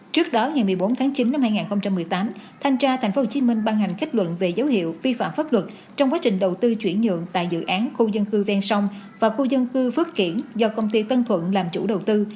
trước đó ngày một mươi bốn tháng chín năm hai nghìn một mươi tám thanh tra tp hcm ban hành kết luận về dấu hiệu vi phạm pháp luật trong quá trình đầu tư chuyển nhượng tại dự án khu dân cư ven sông và khu dân cư phước kiển do công ty tân thuận làm chủ đầu tư